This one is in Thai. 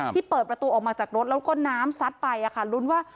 ที่เปิดประตูออกมาจากรถแล้วก็น้ำซัดไป